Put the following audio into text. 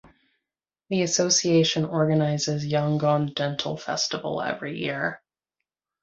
The association organizes "Yangon Dental Festival" every year.